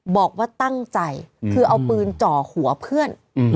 บอกว่าตั้งใจคือเอาปืนจ่อหัวเพื่อน